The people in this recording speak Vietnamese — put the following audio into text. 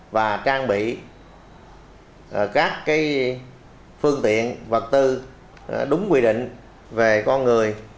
và trang bị các phương tiện vật tư đúng quy định về con người